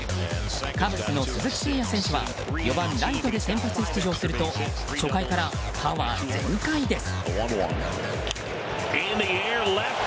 カブスの鈴木誠也選手は４番ライトで先発出場すると初回からパワー全開です！